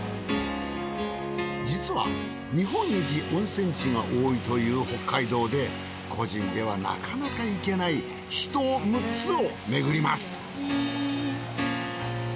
実は日本一温泉地が多いという北海道で個人ではなかなか行けない秘湯６つを巡ります。